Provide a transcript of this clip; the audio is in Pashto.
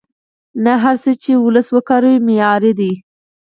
نه هر څه چې وولس وکاروي معیاري دي.